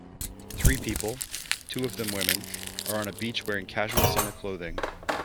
Three people, tow of them women, are on a beach wearing casual summer clothing.